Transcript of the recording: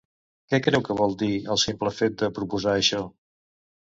Què creu que vol dir el simple fet de proposar això?